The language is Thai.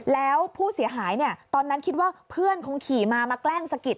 แล้วผู้เสียหายตอนนั้นคิดว่าเพื่อนคงขี่มามาแกล้งสะกิด